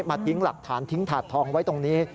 ทิ้งหลักฐานทิ้งถาดทองไว้ตรงนี้